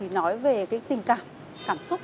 nói về cái tình cảm cảm xúc